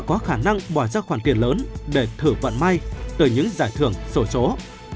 có khả năng bỏ ra khoản tiền lớn để thử vận may từ những giải thưởng sổ số